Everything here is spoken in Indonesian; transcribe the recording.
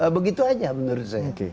begitu saja menurut saya